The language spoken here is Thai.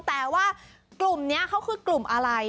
แต่ว่ากลุ่มนี้เขาคือกลุ่มอะไร